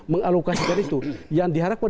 mengalokasikan itu yang diharapkan